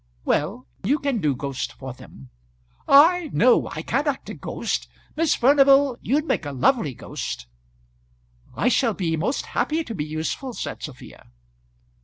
"Well, you can do ghost for them." "I! no; I can't act a ghost. Miss Furnival, you'd make a lovely ghost." "I shall be most happy to be useful," said Sophia.